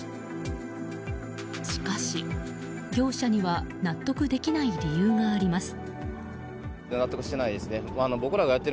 しかし、業者には納得できない理由があります。